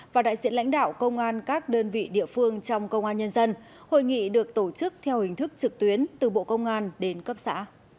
và đại diện lãnh đạo công an các đơn vị địa phương trong công an nhân dân hội nghị được tổ chức theo hình thức trực tuyến từ bộ công an đến cấp xã